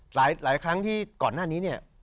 หลายครั้งที่ก่อนหน้านี้เนี่ย